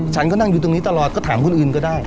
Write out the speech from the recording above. ฉันก็นั่งอยู่ตรงนี้ตลอดก็ถามคนอื่นก็ได้